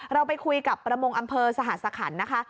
เราไปคุยกับประมงอำเภอสหสคัญนะคะ